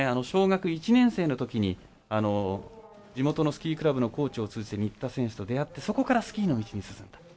小学１年生のときに地元のスキークラブのコーチを通じて新田選手とであってそこからスキーの道に進んだ。